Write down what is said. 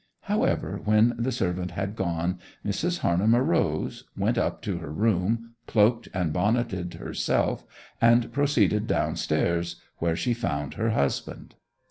However, when the servant had gone Mrs. Harnham arose, went up to her room, cloaked and bonneted herself, and proceeded downstairs, where she found her husband.